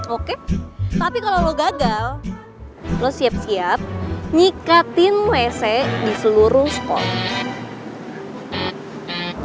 oke tapi kalau lo gagal lo siap siap nyikatin lese di seluruh sekolah